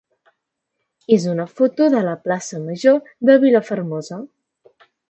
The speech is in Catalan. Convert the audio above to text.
és una foto de la plaça major de Vilafermosa.